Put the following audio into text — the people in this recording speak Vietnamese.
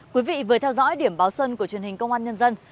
quý vị vừa theo dõi điểm báo xuân của truyền hình công an nhân dân